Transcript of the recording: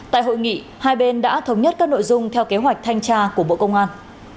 tại hội nghị hai bên đã thống nhất các nội dung theo kế hoạch thanh tra của bộ công an